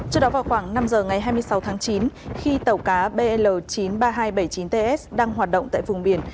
trước đó vào khoảng năm h ngày hai mươi sáu tháng chín khi tàu cá bl chín trăm ba mươi hai bảy mươi chín ts đang hoạt động tại vùng biển